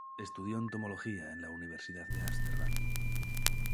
Estudió entomología en la Universidad de Ámsterdam.